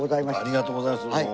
ありがとうございますどうも。